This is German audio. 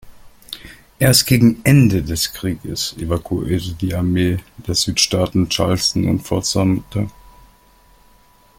Erst gegen Ende des Krieges evakuierte die Armee der Südstaaten Charleston und Fort Sumter.